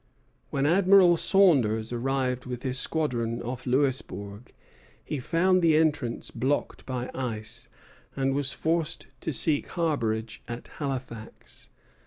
When Admiral Saunders arrived with his squadron off Louisbourg, he found the entrance blocked by ice, and was forced to seek harborage at Halifax.